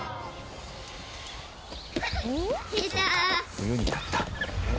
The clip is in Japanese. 「冬になった」